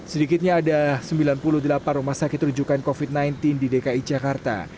sedikitnya ada sembilan puluh delapan rumah sakit rujukan covid sembilan belas di dki jakarta